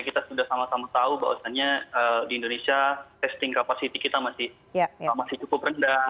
kita sudah sama sama tahu bahwasannya di indonesia testing capacity kita masih cukup rendah